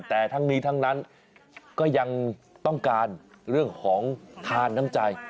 แต่ทั้งนี้ทั้งนั้นก็ยังต้องการเรื่องของทานน้ำใจ